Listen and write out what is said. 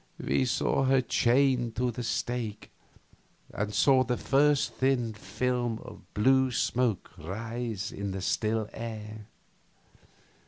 We saw her chained to the stake, and saw the first thin film of blue smoke rise on the still air.